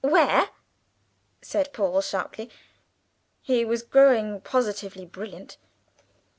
"Where?" said Paul sharply (he was growing positively brilliant).